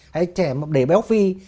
hay trẻ mà để béo phi